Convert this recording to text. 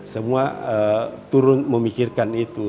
semua turun memikirkan itu